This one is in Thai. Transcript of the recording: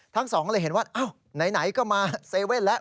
ทั้งสองเลยเห็นว่าอ้าวไหนก็มาเซเว่นแล้ว